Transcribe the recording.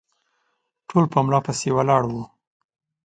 ټول په ملا پسې ولاړ وه